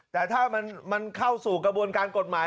แต่ถ้ามันเข้าสู่กระบวนการกฎหมาย